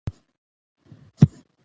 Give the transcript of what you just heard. انګریزي صاحب منصبان به په ګډه برید کوي.